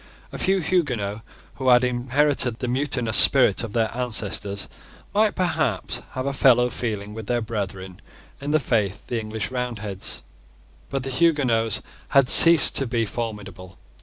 A few Huguenots, who had inherited the mutinous spirit of their ancestors, might perhaps have a fellow feeling with their brethren in the faith, the English Roundheads: but the Huguenots had ceased to be formidable.